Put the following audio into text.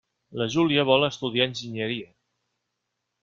La Júlia vol estudiar enginyeria.